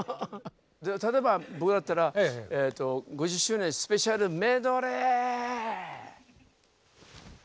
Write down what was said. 例えば僕だったらえっと５０周年スペシャルメドレー。